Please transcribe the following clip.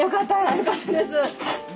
よかったです。